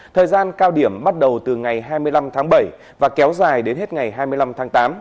thời gian cao điểm bắt đầu từ ngày hai mươi năm tháng bảy và kéo dài đến hết ngày hai mươi năm tháng tám